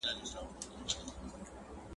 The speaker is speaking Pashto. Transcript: دا خبره باید په پوره غور واورېدل شي.